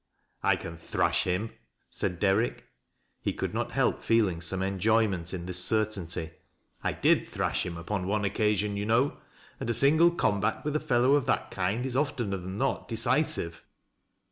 " I cai. thrash him," said Derrick. He could not help feeling some enjoyment in this certainty. "I did thraah him upon one occasion, you know, and a single comba* with a fellow of that kind is ofteuer than not decisive."